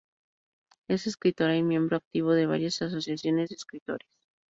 Es escritora y miembro activo de varias asociaciones de escritores.